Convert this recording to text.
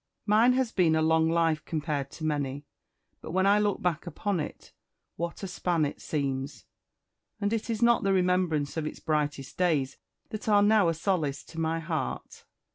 Mine has been a long life compared to many; but when I look back upon it, what a span it seems! And it is not the remembrance of its brightest days that are now a solace to my heart.